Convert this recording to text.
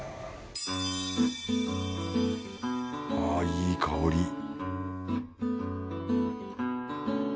あぁいい香り